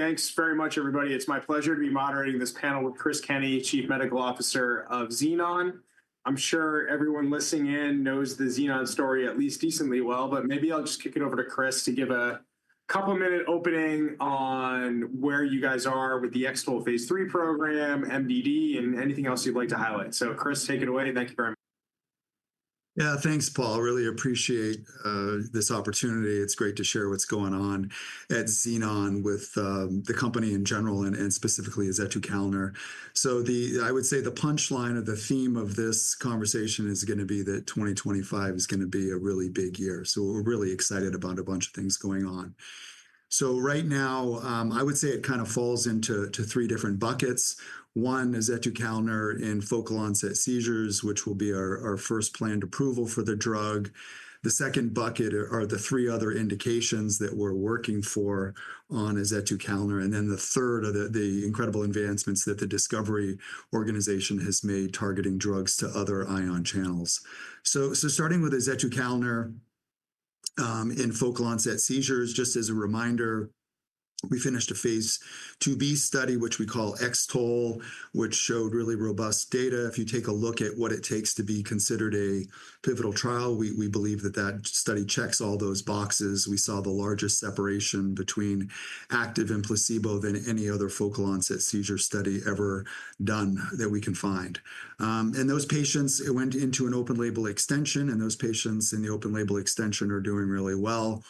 Great. Thanks very much, everybody. It's my pleasure to be moderating this panel with Chris Kenney, Chief Medical Officer of Xenon. I'm sure everyone listening in knows the Xenon story at least decently well, but maybe I'll just kick it over to Chris to give a couple-minute opening on where you guys are with the X-TOLE phase III program, MDD, and anything else you'd like to highlight. Chris, take it away. Thank you very much. Yeah, thanks, Paul. Really appreciate this opportunity. It's great to share what's going on at Xenon with the company in general and specifically azetukalner. I would say the punchline or the theme of this conversation is going to be that 2025 is going to be a really big year. We're really excited about a bunch of things going on. Right now, I would say it kind of falls into three different buckets. One is azetukalner in focal onset seizures, which will be our first planned approval for the drug. The second bucket are the three other indications that we're working for on azetukalner. The third are the incredible advancements that the Discovery organization has made targeting drugs to other ion channels. Starting with azetukalner in focal onset seizures, just as a reminder, we finished a phase II-B study, which we call X-TOLE, which showed really robust data. If you take a look at what it takes to be considered a pivotal trial, we believe that that study checks all those boxes. We saw the largest separation between active and placebo than any other focal onset seizure study ever done that we can find. Those patients went into an open label extension, and those patients in the open label extension are doing really well.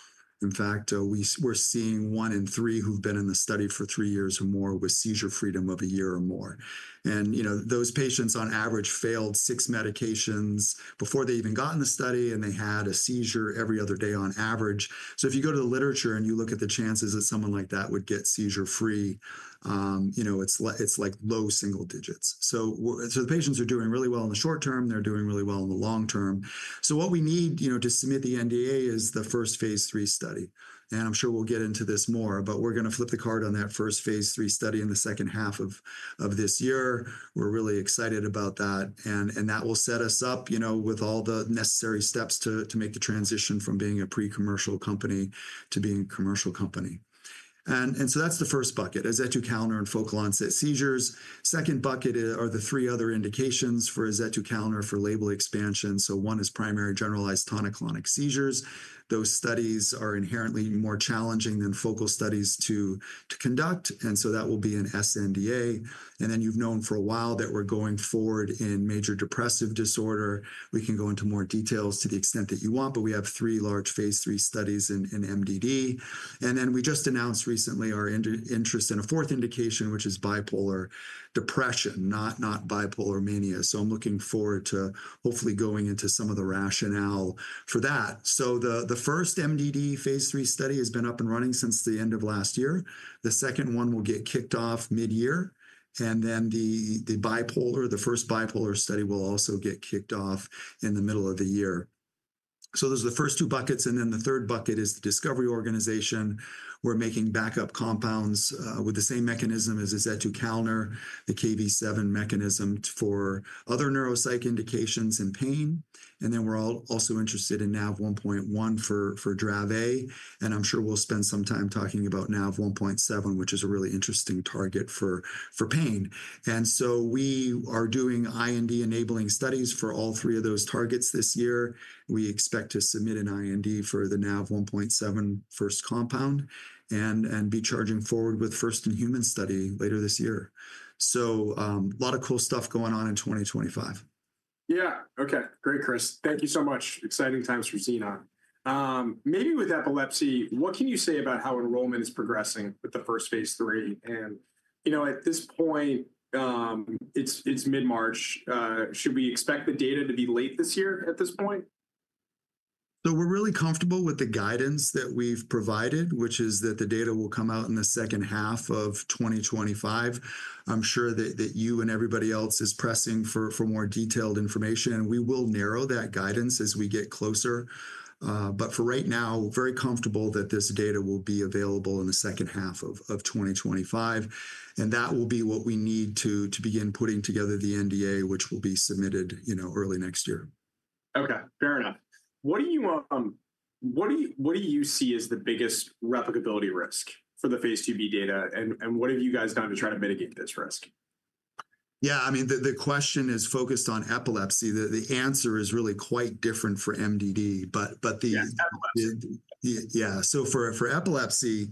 In fact, we're seeing one in three who've been in the study for three years or more with seizure freedom of a year or more. Those patients, on average, failed six medications before they even got in the study, and they had a seizure every other day on average. If you go to the literature and you look at the chances that someone like that would get seizure-free, it's like low single digits. The patients are doing really well in the short term. They're doing really well in the long term. What we need to submit the NDA is the first phase III study. I'm sure we'll get into this more, but we're going to flip the card on that first phase III study in the second half of this year. We're really excited about that. That will set us up with all the necessary steps to make the transition from being a pre-commercial company to being a commercial company. That's the first bucket, azetukalner in focal onset seizures. The second bucket are the three other indications for azetukalner for label expansion. One is primary generalized tonic-clonic seizures. Those studies are inherently more challenging than focal studies to conduct. That will be an sNDA. You have known for a while that we are going forward in major depressive disorder. We can go into more details to the extent that you want, but we have three large phase III studies in MDD. We just announced recently our interest in a fourth indication, which is bipolar depression, not bipolar mania. I am looking forward to hopefully going into some of the rationale for that. The first MDD phase III study has been up and running since the end of last year. The second one will get kicked off mid-year. The first bipolar study will also get kicked off in the middle of the year. Those are the first two buckets. The third bucket is the Discovery organization. We're making backup compounds with the same mechanism as azetukalner, the KV7 mechanism for other neuropsych indications and pain. We're also interested in NaV1.1 for Dravet. I'm sure we'll spend some time talking about NaV1.7, which is a really interesting target for pain. We are doing IND-enabling studies for all three of those targets this year. We expect to submit an IND for the NaV1.7 first compound and be charging forward with first in human study later this year. A lot of cool stuff going on in 2025. Yeah. Okay. Great, Chris. Thank you so much. Exciting times for Xenon. Maybe with epilepsy, what can you say about how enrollment is progressing with the first phase III? At this point, it's mid-March. Should we expect the data to be late this year at this point? We're really comfortable with the guidance that we've provided, which is that the data will come out in the second half of 2025. I'm sure that you and everybody else is pressing for more detailed information. We will narrow that guidance as we get closer. For right now, very comfortable that this data will be available in the second half of 2025. That will be what we need to begin putting together the NDA, which will be submitted early next year. Okay. Fair enough. What do you see as the biggest replicability risk for the phase II-B data? What have you guys done to try to mitigate this risk? Yeah. I mean, the question is focused on epilepsy. The answer is really quite different for MDD. The. Yeah, epilepsy. Yeah. For epilepsy,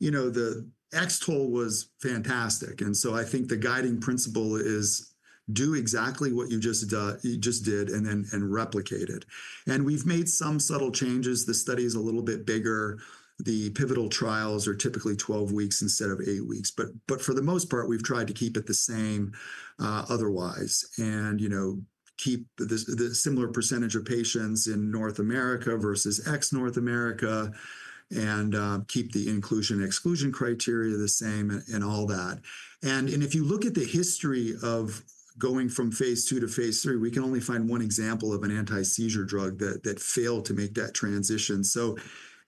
the X-TOLE was fantastic. I think the guiding principle is do exactly what you just did and replicate it. We have made some subtle changes. The study is a little bit bigger. The pivotal trials are typically 12 weeks instead of 8 weeks. For the most part, we have tried to keep it the same otherwise and keep the similar percentage of patients in North America versus ex-North America and keep the inclusion-exclusion criteria the same and all that. If you look at the history of going from phase II to phase III, we can only find one example of an anti-seizure drug that failed to make that transition.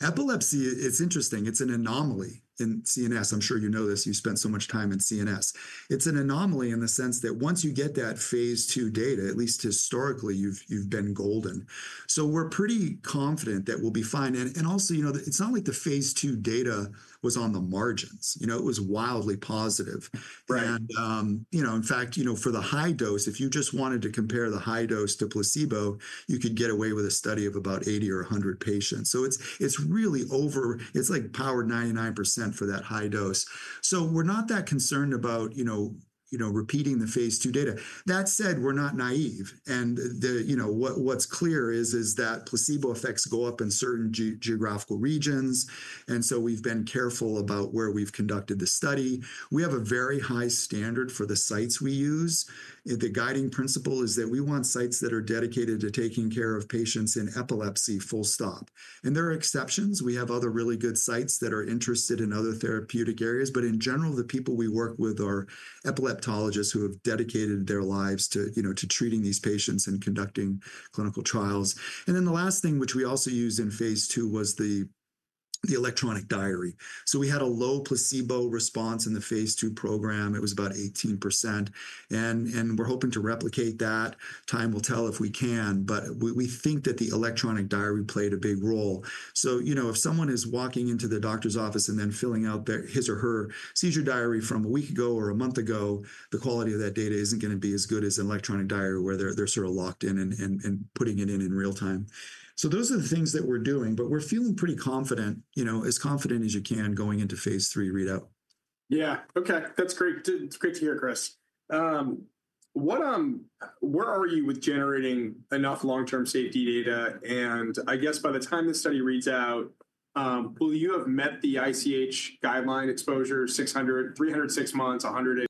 Epilepsy, it is interesting. It is an anomaly in CNS. I am sure you know this. You spent so much time in CNS. It's an anomaly in the sense that once you get that phase II data, at least historically, you've been golden. We're pretty confident that we'll be fine. Also, it's not like the phase II data was on the margins. It was wildly positive. In fact, for the high dose, if you just wanted to compare the high dose to placebo, you could get away with a study of about 80 or 100 patients. It's really over, it's like powered 99% for that high dose. We're not that concerned about repeating the phase II data. That said, we're not naive. What's clear is that placebo effects go up in certain geographical regions. We've been careful about where we've conducted the study. We have a very high standard for the sites we use. The guiding principle is that we want sites that are dedicated to taking care of patients in epilepsy. Full stop. There are exceptions. We have other really good sites that are interested in other therapeutic areas. In general, the people we work with are epileptologists who have dedicated their lives to treating these patients and conducting clinical trials. The last thing, which we also used in phase II, was the electronic diary. We had a low placebo response in the phase II program. It was about 18%. We are hoping to replicate that. Time will tell if we can. We think that the electronic diary played a big role. If someone is walking into the doctor's office and then filling out his or her seizure diary from a week ago or a month ago, the quality of that data isn't going to be as good as an electronic diary where they're sort of locked in and putting it in in real time. Those are the things that we're doing. We're feeling pretty confident, as confident as you can going into phase III readout. Yeah. Okay. That's great. It's great to hear, Chris. Where are you with generating enough long-term safety data? I guess by the time this study reads out, will you have met the ICH guideline exposure, 300-6 months, 100?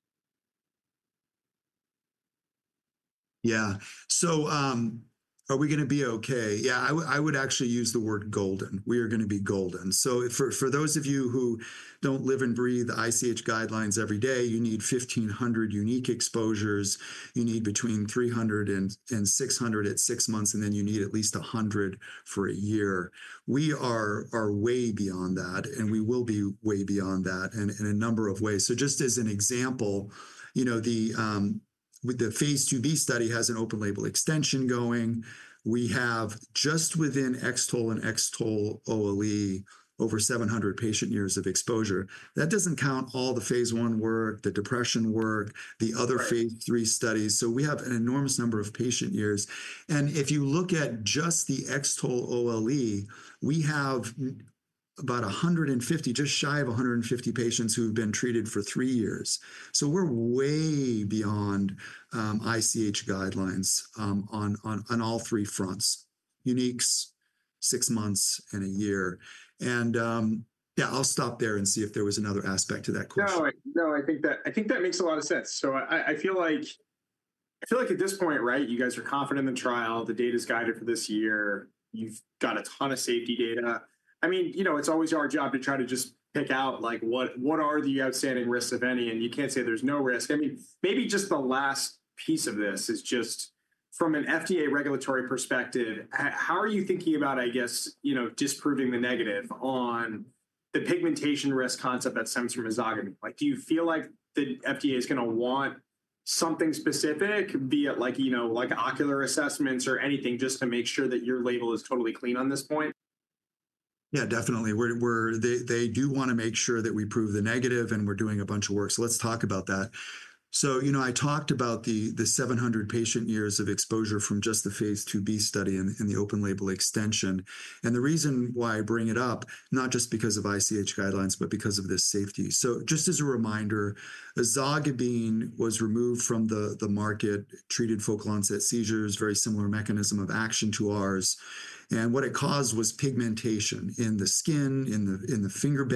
Yeah. Are we going to be okay? Yeah, I would actually use the word golden. We are going to be golden. For those of you who do not live and breathe the ICH guidelines every day, you need 1,500 unique exposures. You need between 300-600 at six months, and then you need at least 100 for a year. We are way beyond that, and we will be way beyond that in a number of ways. Just as an example, the phase II-B study has an open label extension going. We have just within X-TOLE and X-TOLE OLE over 700 patient years of exposure. That does not count all the phase I work, the depression work, the other phase III studies. We have an enormous number of patient years. If you look at just the X-TOLE OLE, we have just shy of 150 patients who have been treated for three years. We are way beyond ICH guidelines on all three fronts: uniques, six months, and a year. I will stop there and see if there was another aspect to that question. No, I think that makes a lot of sense. I feel like at this point, right, you guys are confident in the trial. The data is guided for this year. You've got a ton of safety data. I mean, it's always our job to try to just pick out what are the outstanding risks, if any. You can't say there's no risk. I mean, maybe just the last piece of this is just from an FDA regulatory perspective, how are you thinking about, I guess, disproving the negative on the pigmentation risk concept that stems from ezogabine? Do you feel like the FDA is going to want something specific, be it like ocular assessments or anything, just to make sure that your label is totally clean on this point? Yeah, definitely. They do want to make sure that we prove the negative, and we're doing a bunch of work. Let's talk about that. I talked about the 700 patient years of exposure from just the phase II-B study and the open label extension. The reason why I bring it up, not just because of ICH guidelines, but because of this safety. Just as a reminder, ezogabine was removed from the market, treated focal onset seizures, very similar mechanism of action to ours. What it caused was pigmentation in the skin, in the fingernail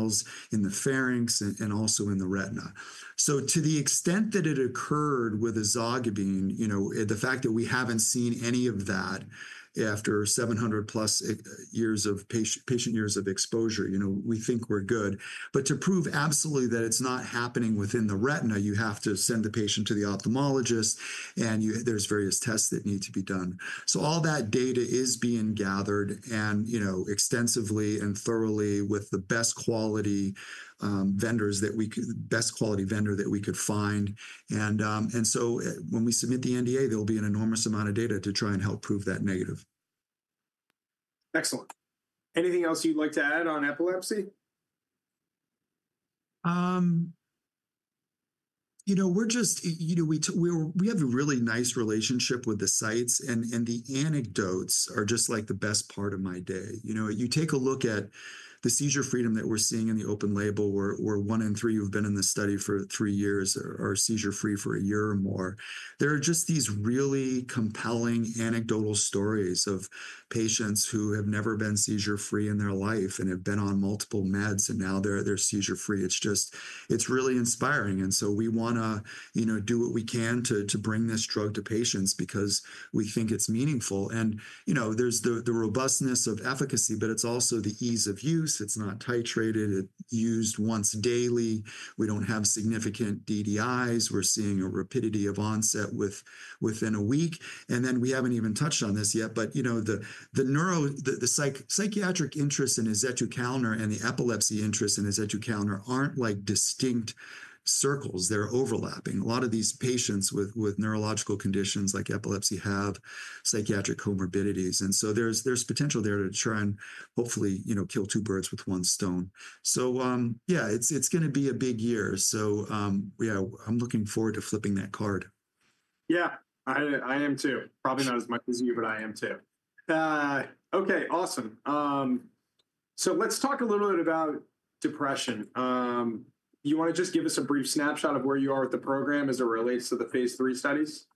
beds, in the pharynx, and also in the retina. To the extent that it occurred with ezogabine, the fact that we haven't seen any of that after 700-plus patient years of exposure, we think we're good. To prove absolutely that it's not happening within the retina, you have to send the patient to the ophthalmologist. There are various tests that need to be done. All that data is being gathered extensively and thoroughly with the best quality vendors that we could find. When we submit the NDA, there will be an enormous amount of data to try and help prove that negative. Excellent. Anything else you'd like to add on epilepsy? We have a really nice relationship with the sites. The anecdotes are just like the best part of my day. You take a look at the seizure freedom that we're seeing in the open label, where one in three who have been in this study for three years are seizure-free for a year or more. There are just these really compelling anecdotal stories of patients who have never been seizure-free in their life and have been on multiple meds, and now they're seizure-free. It's really inspiring. We want to do what we can to bring this drug to patients because we think it's meaningful. There's the robustness of efficacy, but it's also the ease of use. It's not titrated. It's used once daily. We don't have significant DDIs. We're seeing a rapidity of onset within a week. We have not even touched on this yet, but the psychiatric interest in azetukalner and the epilepsy interest in azetukalner are not distinct circles. They are overlapping. A lot of these patients with neurological conditions like epilepsy have psychiatric comorbidities. There is potential there to try and hopefully kill two birds with one stone. It is going to be a big year. I am looking forward to flipping that card. Yeah, I am too. Probably not as much as you, but I am too. Okay, awesome. Let's talk a little bit about depression. You want to just give us a brief snapshot of where you are with the program as it relates to the phase III studies?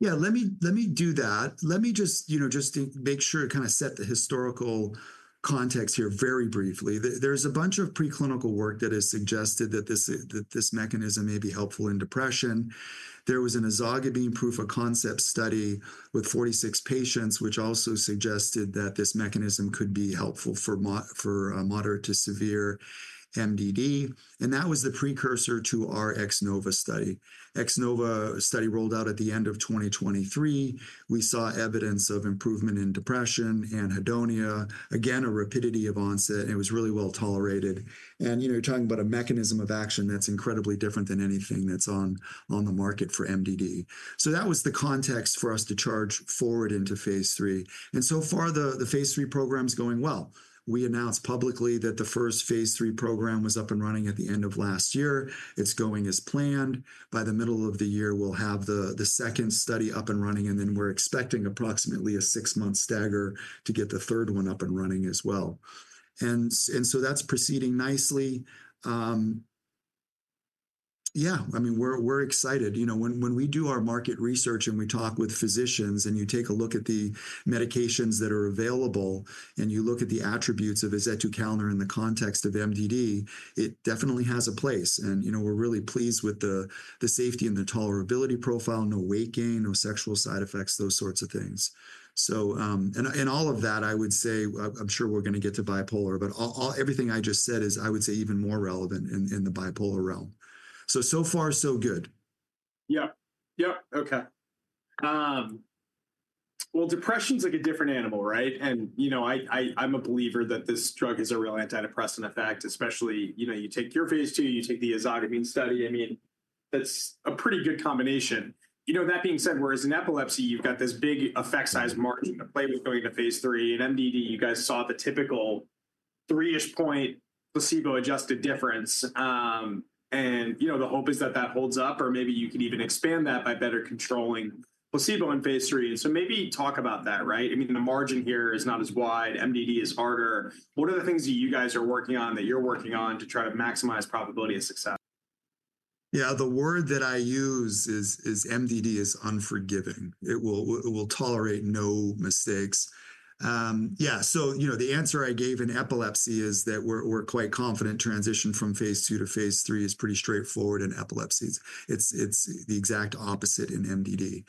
Yeah, let me do that. Let me just make sure to kind of set the historical context here very briefly. There's a bunch of preclinical work that has suggested that this mechanism may be helpful in depression. There was an ezogabine proof of concept study with 46 patients, which also suggested that this mechanism could be helpful for moderate to severe MDD. That was the precursor to our X-NOVA study. X-NOVA study rolled out at the end of 2023. We saw evidence of improvement in depression and anhedonia, again, a rapidity of onset. It was really well tolerated. You're talking about a mechanism of action that's incredibly different than anything that's on the market for MDD. That was the context for us to charge forward into phase III. So far, the phase III program's going well. We announced publicly that the first phase III program was up and running at the end of last year. It's going as planned. By the middle of the year, we'll have the second study up and running. We're expecting approximately a six-month stagger to get the third one up and running as well. That's proceeding nicely. Yeah, I mean, we're excited. When we do our market research and we talk with physicians and you take a look at the medications that are available and you look at the attributes of azetukalner in the context of MDD, it definitely has a place. We're really pleased with the safety and the tolerability profile, no weight gain, no sexual side effects, those sorts of things. All of that, I would say, I'm sure we're going to get to bipolar, but everything I just said is, I would say, even more relevant in the bipolar realm. So far, so good. Yeah. Yep. Okay. Depression's like a different animal, right? And I'm a believer that this drug has a real antidepressant effect, especially you take your phase 2, you take the ezogabine study. I mean, that's a pretty good combination. That being said, whereas in epilepsy, you've got this big effect size margin to play with going to phase 3. In MDD, you guys saw the typical three-ish point placebo-adjusted difference. The hope is that that holds up, or maybe you can even expand that by better controlling placebo in phase 3. Maybe talk about that, right? I mean, the margin here is not as wide. MDD is harder. What are the things that you guys are working on that you're working on to try to maximize probability of success? Yeah, the word that I use is MDD is unforgiving. It will tolerate no mistakes. Yeah. The answer I gave in epilepsy is that we're quite confident transition from phase 2 to phase 3 is pretty straightforward in epilepsy. It's the exact opposite in MDD.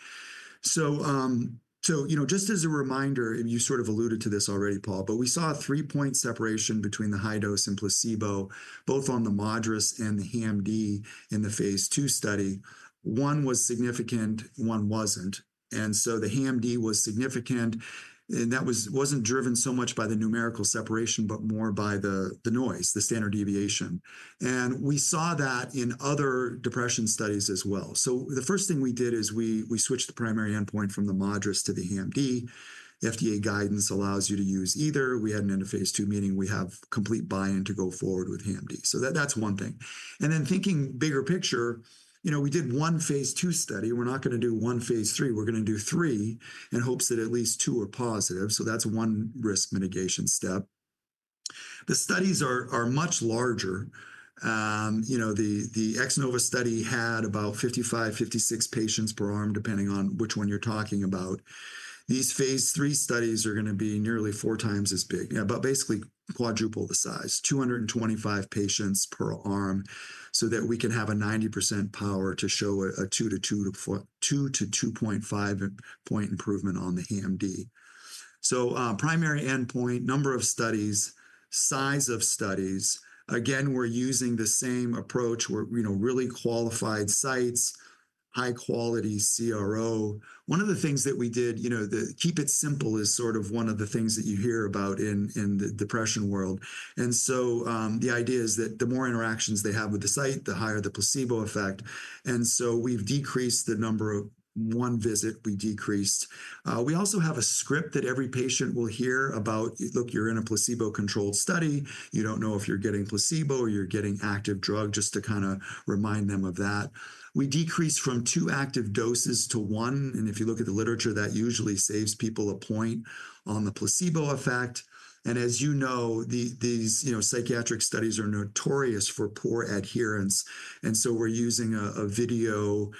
Just as a reminder, and you sort of alluded to this already, Paul, but we saw a three-point separation between the high dose and placebo, both on the MADRS and the HAM-D in the phase 2 study. One was significant, one wasn't. The HAM-D was significant. That wasn't driven so much by the numerical separation, but more by the noise, the standard deviation. We saw that in other depression studies as well. The first thing we did is we switched the primary endpoint from the MADRS to the HAM-D. FDA guidance allows you to use either. We had an end of phase 2, meaning we have complete buy-in to go forward with HAM-D. That is one thing. Then thinking bigger picture, we did one phase 2 study. We're not going to do one phase 3. We're going to do three in hopes that at least two are positive. That is one risk mitigation step. The studies are much larger. The X-NOVA study had about 55, 56 patients per arm, depending on which one you're talking about. These phase 3 studies are going to be nearly four times as big, basically quadruple the size, 225 patients per arm so that we can have a 90% power to show a 2-2.5-point improvement on the HAM-D. Primary endpoint, number of studies, size of studies. Again, we're using the same approach. We're really qualified sites, high-quality CRO. One of the things that we did, keep it simple is sort of one of the things that you hear about in the depression world. The idea is that the more interactions they have with the site, the higher the placebo effect. We decreased the number of one visit we decreased. We also have a script that every patient will hear about. Look, you're in a placebo-controlled study. You don't know if you're getting placebo or you're getting active drug, just to kind of remind them of that. We decreased from two active doses to one. If you look at the literature, that usually saves people a point on the placebo effect. As you know, these psychiatric studies are notorious for poor adherence. We're using a video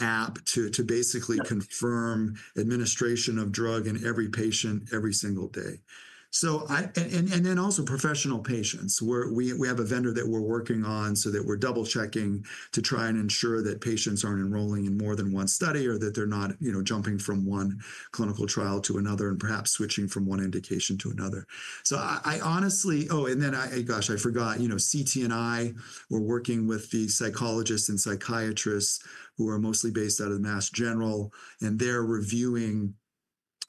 app to basically confirm administration of drug in every patient every single day. Also, professional patients. We have a vendor that we're working on so that we're double-checking to try and ensure that patients aren't enrolling in more than one study or that they're not jumping from one clinical trial to another and perhaps switching from one indication to another. I honestly, oh, and then, gosh, I forgot. CTNI were working with the psychologists and psychiatrists who are mostly based out of Massachusetts General Hospital. They're reviewing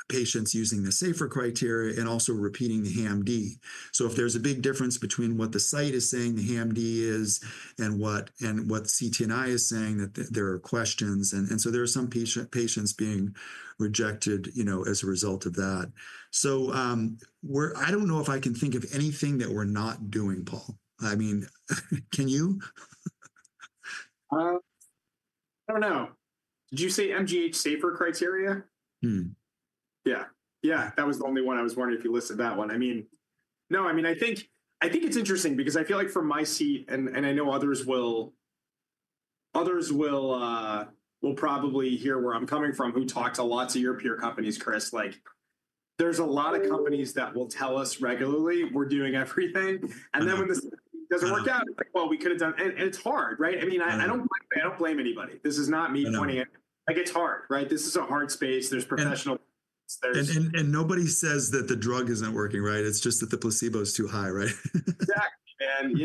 patients using the SAFER criteria and also repeating the HAM-D. If there's a big difference between what the site is saying the HAM-D is and what CTNI are saying, there are questions. There are some patients being rejected as a result of that. I don't know if I can think of anything that we're not doing, Paul. I mean, can you? I don't know. Did you say MGH SAFER criteria? Yeah. Yeah. That was the only one I was wondering if you listed that one. I mean, no, I mean, I think it's interesting because I feel like from my seat, and I know others will probably hear where I'm coming from, who talked to lots of your peer companies, Chris, like there's a lot of companies that will tell us regularly, "We're doing everything." And then when this doesn't work out, it's like, "Well, we could have done." It's hard, right? I mean, I don't blame anybody. This is not me pointing out. It's hard, right? This is a hard space. There's professional. Nobody says that the drug isn't working, right? It's just that the placebo is too high, right? Exactly.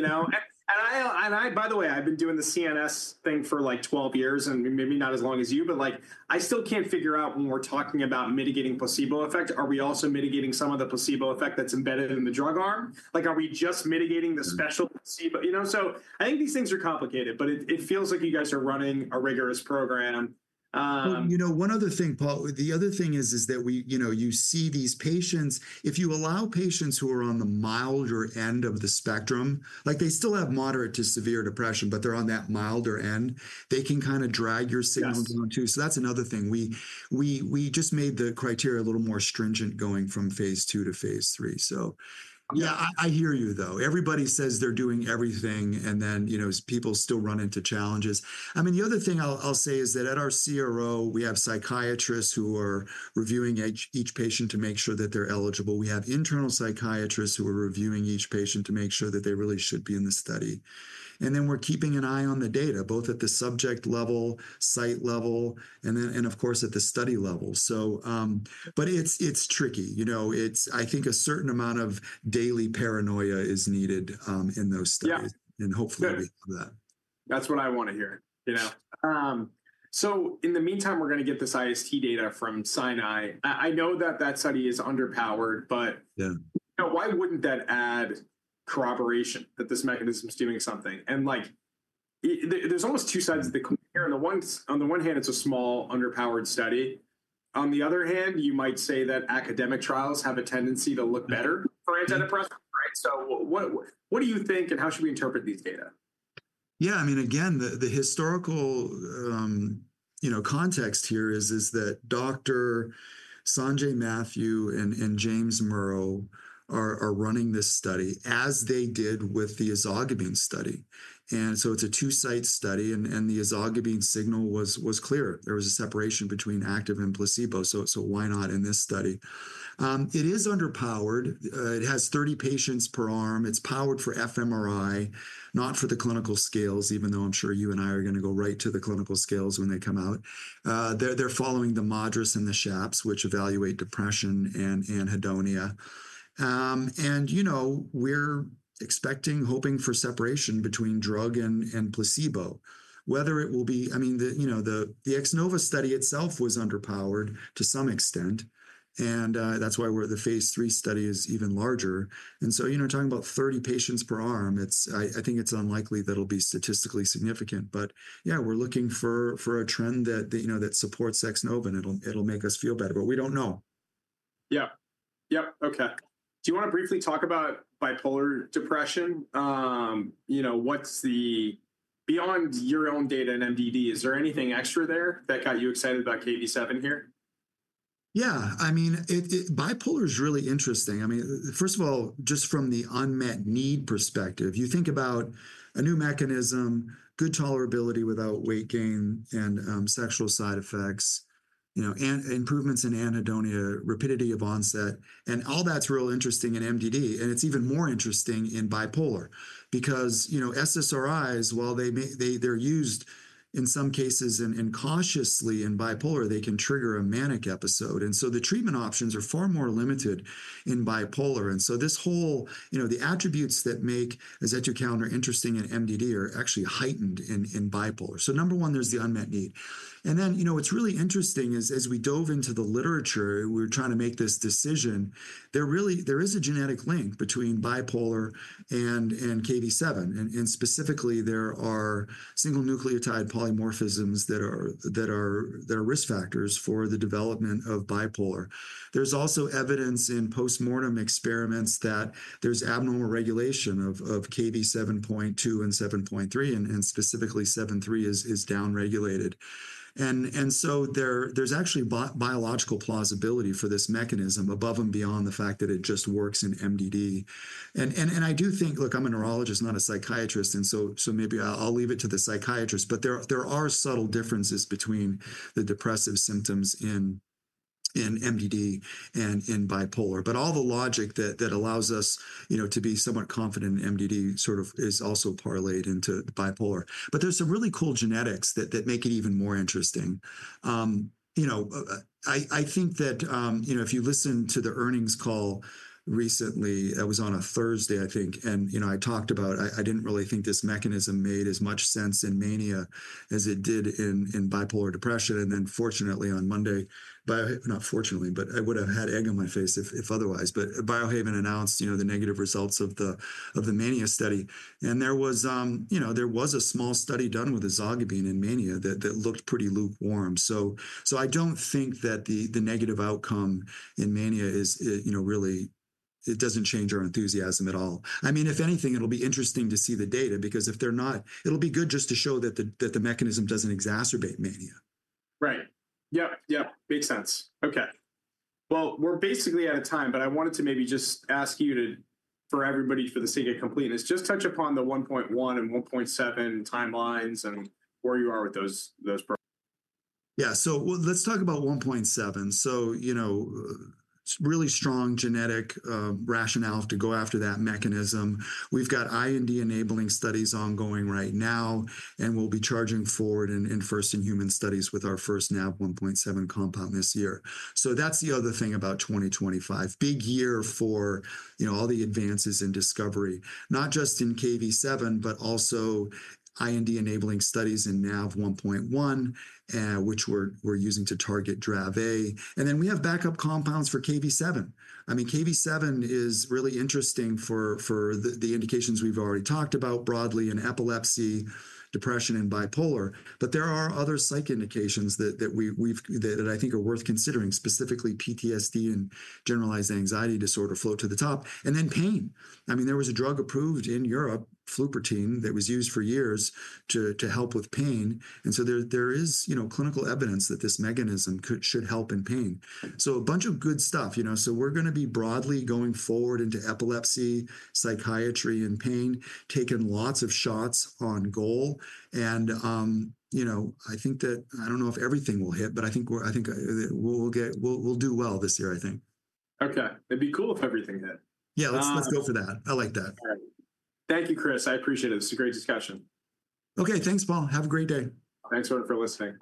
By the way, I've been doing the CNS thing for like 12 years, and maybe not as long as you, but I still can't figure out when we're talking about mitigating placebo effect, are we also mitigating some of the placebo effect that's embedded in the drug arm? Are we just mitigating the special placebo? I think these things are complicated, but it feels like you guys are running a rigorous program. One other thing, Paul, the other thing is that you see these patients, if you allow patients who are on the milder end of the spectrum, like they still have moderate to severe depression, but they're on that milder end, they can kind of drag your signals on too. That's another thing. We just made the criteria a little more stringent going from phase 2 to phase 3. Yeah, I hear you, though. Everybody says they're doing everything, and then people still run into challenges. I mean, the other thing I'll say is that at our CRO, we have psychiatrists who are reviewing each patient to make sure that they're eligible. We have internal psychiatrists who are reviewing each patient to make sure that they really should be in the study. We're keeping an eye on the data, both at the subject level, site level, and of course, at the study level. It's tricky. I think a certain amount of daily paranoia is needed in those studies. Hopefully, we have that. That's what I want to hear. In the meantime, we're going to get this IST data from Sinai. I know that that study is underpowered, but why wouldn't that add corroboration that this mechanism is doing something? There's almost two sides of the comparison. On the one hand, it's a small underpowered study. On the other hand, you might say that academic trials have a tendency to look better for antidepressants, right? What do you think, and how should we interpret these data? Yeah. I mean, again, the historical context here is that Dr. Sanjay Mathew and James Murrough are running this study as they did with the ezogabine study. It is a two-site study, and the ezogabine signal was clear. There was a separation between active and placebo. Why not in this study? It is underpowered. It has 30 patients per arm. It is powered for fMRI, not for the clinical scales, even though I'm sure you and I are going to go right to the clinical scales when they come out. They're following the MADRS and the SHAPS, which evaluate depression and anhedonia. We're expecting, hoping for separation between drug and placebo, whether it will be. I mean, the X-NOVA study itself was underpowered to some extent. That is why the phase 3 study is even larger. Talking about 30 patients per arm, I think it's unlikely that it'll be statistically significant. Yeah, we're looking for a trend that supports X-NOVA, and it'll make us feel better, but we don't know. Yeah. Yep. Okay. Do you want to briefly talk about bipolar depression? Beyond your own data in MDD, is there anything extra there that got you excited about KV7 here? Yeah. I mean, bipolar is really interesting. I mean, first of all, just from the unmet need perspective, you think about a new mechanism, good tolerability without weight gain and sexual side effects, improvements in anhedonia, rapidity of onset. All that's real interesting in MDD. It's even more interesting in bipolar because SSRIs, while they're used in some cases and cautiously in bipolar, they can trigger a manic episode. The treatment options are far more limited in bipolar. The attributes that make azetukalner interesting in MDD are actually heightened in bipolar. Number one, there's the unmet need. What's really interesting is as we dove into the literature, we were trying to make this decision, there is a genetic link between bipolar and KV7. Specifically, there are single nucleotide polymorphisms that are risk factors for the development of bipolar. There's also evidence in postmortem experiments that there's abnormal regulation of KV7.2 and 7.3, and specifically, 7.3 is downregulated. There's actually biological plausibility for this mechanism above and beyond the fact that it just works in MDD. I do think, look, I'm a neurologist, not a psychiatrist, and maybe I'll leave it to the psychiatrist, but there are subtle differences between the depressive symptoms in MDD and in bipolar. All the logic that allows us to be somewhat confident in MDD sort of is also parlayed into bipolar. There's some really cool genetics that make it even more interesting. I think that if you listen to the earnings call recently, it was on a Thursday, I think, and I talked about I didn't really think this mechanism made as much sense in mania as it did in bipolar depression. Fortunately, on Monday, not fortunately, but I would have had egg on my face if otherwise, but Biohaven announced the negative results of the mania study. There was a small study done with ezogabine in mania that looked pretty lukewarm. I do not think that the negative outcome in mania really changes our enthusiasm at all. I mean, if anything, it will be interesting to see the data because if they are not, it will be good just to show that the mechanism does not exacerbate mania. Right. Yep. Yep. Makes sense. Okay. We're basically out of time, but I wanted to maybe just ask you for everybody for the sake of completeness, just touch upon the 1.1 and 1.7 timelines and where you are with those. Yeah. Let's talk about 1.7. Really strong genetic rationale to go after that mechanism. We've got IND enabling studies ongoing right now, and we'll be charging forward in first-in-human studies with our first NaV1.7 compound this year. That's the other thing about 2025. Big year for all the advances in discovery, not just in KV7, but also IND enabling studies in NaV1.1, which we're using to target Dravet. We have backup compounds for KV7. KV7 is really interesting for the indications we've already talked about broadly in epilepsy, depression, and bipolar. There are other psych indications that I think are worth considering, specifically PTSD and generalized anxiety disorder float to the top. Pain. There was a drug approved in Europe, flupirtine, that was used for years to help with pain. There is clinical evidence that this mechanism should help in pain. A bunch of good stuff. We are going to be broadly going forward into epilepsy, psychiatry, and pain, taking lots of shots on goal. I think that I do not know if everything will hit, but I think we will do well this year, I think. Okay. It'd be cool if everything hit. Yeah. Let's go for that. I like that. Thank you, Chris. I appreciate it. This is a great discussion. Okay. Thanks, Paul. Have a great day. Thanks for listening.